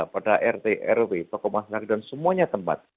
pada rt rw tokoh masyarakat dan semuanya tempat